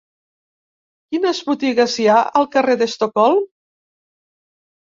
Quines botigues hi ha al carrer d'Estocolm?